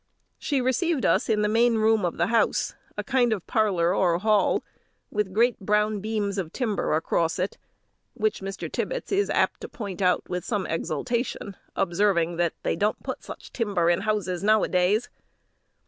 She received us in the main room of the house, a kind of parlour or hall, with great brown beams of timber across it, which Mr. Tibbets is apt to point out with some exultation, observing that they don't put such timber in houses now a days.